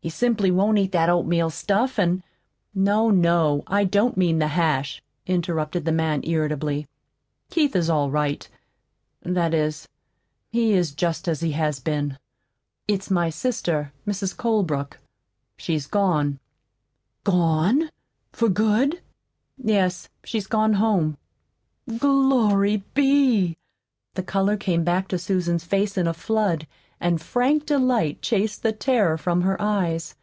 He simply won't eat that oatmeal stuff, an' " "No, no, I don't mean the hash," interrupted the man irritably. "Keith is all right that is, he is just as he has been. It's my sister, Mrs. Colebrook. She's gone." "Gone for good?" "Yes, she's gone home." "Glory be!" The color came back to Susan's face in a flood, and frank delight chased the terror from her eyes.